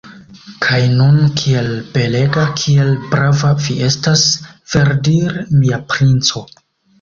Kaj nun kiel belega, kiel brava vi estas, verdire, mia princo!